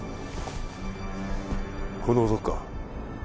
この男か？